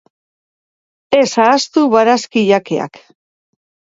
Ez ahaztu barazkijakeak.